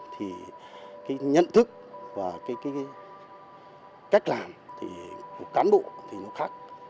thì cái nhận thức và cái cách làm thì của cán bộ thì nó khác